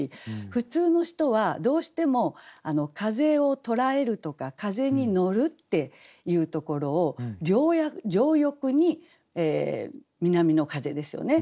普通の人はどうしても風を捉えるとか風に乗るっていうところを「両翼に南の風」ですよね。